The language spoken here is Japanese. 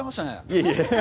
いえいえ。